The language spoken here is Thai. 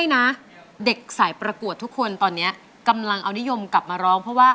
แต่ทุกคนต่อเนี๊ยะกำลังเอานิยมกลับมาร้อง